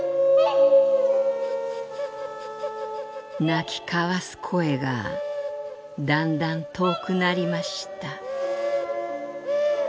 「鳴き交わす声がだんだん遠くなりました」。